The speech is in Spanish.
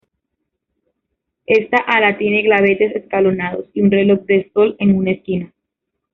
Esta ala tiene gabletes escalonados, y un reloj de sol en una esquina.